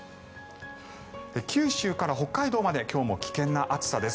九州から北海道まで今日も危険な暑さです。